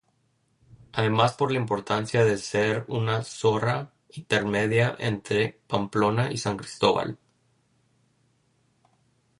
Además por la importancia por ser una zora intermedia entre Pamplona y San Cristóbal.